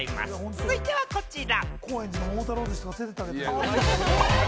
続いてはこちら。